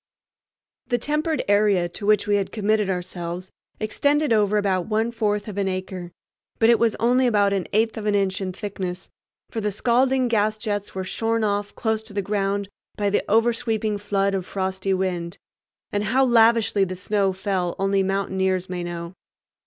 The tempered area to which we had committed ourselves extended over about one fourth of an acre; but it was only about an eighth of an inch in thickness, for the scalding gas jets were shorn off close to the ground by the oversweeping flood of frosty wind. And how lavishly the snow fell only mountaineers may know.